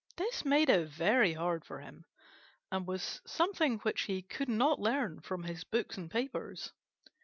This made it very hard for him, and was something which he could not learn from his books and papers.